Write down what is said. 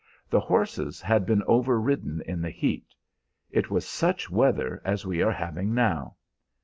The horses had been overridden in the heat. It was such weather as we are having now.